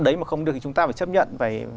đấy mà không được thì chúng ta phải chấp nhận